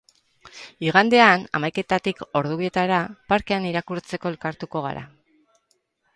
Igandean, hamaiketatik ordu bietara, parkean irakurtzeko elkartuko gara.